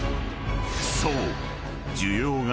［そう］